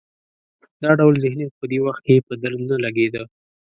دا ډول ذهنیت په دې وخت کې په درد نه لګېده.